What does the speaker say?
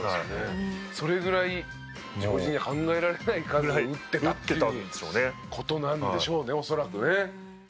それぐらい常人には考えられない数を打ってたっていう事なんでしょうね恐らくね。